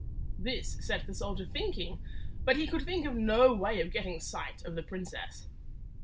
This set the soldier thinking, but he could think of no way of getting sight of the princess.